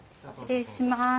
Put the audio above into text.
失礼します。